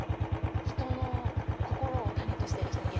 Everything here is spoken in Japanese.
「人の心を種として」でしたっけ。